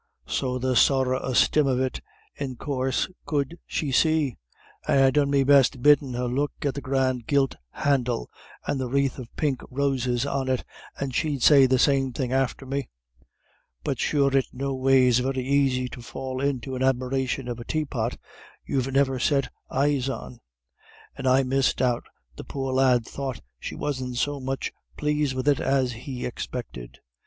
So the sorra a stim of it, in coorse, could she see; and I done me best biddin' her look at the grand gilt handle, and the wrathe of pink roses on it, and she'd say the same thing after me; but sure its noways very aisy to fall into an admiration of a taypot you've never set eyes on; and I misdoubt the poor lad thought she wasn't so much plased with it as he expected.